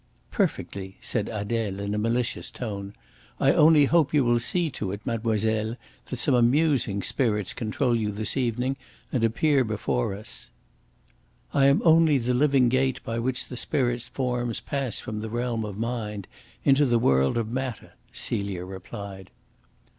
"Perfectly," said Adele in a malicious tone. "I only hope you will see to it, mademoiselle, that some amusing spirits control you this evening and appear before us." "I am only the living gate by which the spirit forms pass from the realm of mind into the world of matter," Celia replied.